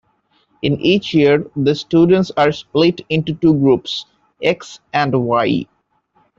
In each Year, the students are split into two groups x and y.